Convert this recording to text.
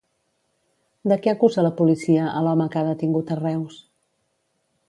De què acusa la policia a l'home que ha detingut a Reus?